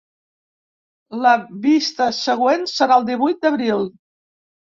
La vista següent serà el divuit d’abril.